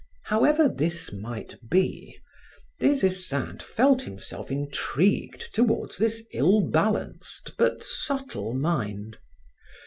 However this might be, Des Esseintes felt himself intrigued toward this ill balanced but subtile mind.